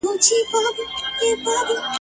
په زندان کی یې قسمت سو ور معلوم سو ..